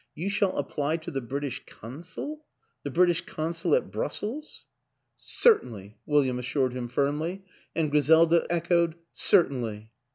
You shall apply to the British Consul the British Consul at Brus sels?" " Certainly," William assured him firmly; and Griselda echoed " Certainly."